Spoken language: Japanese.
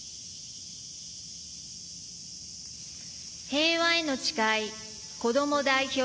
平和への誓い、子ども代表。